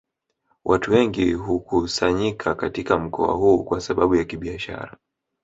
Watu wengi hukusanyika katika mkoa huu kwa sababu ya kibiashara